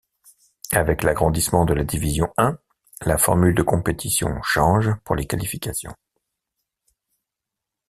Avec l'agrandissement de la Division I, la formule de compétition change pour les qualifications.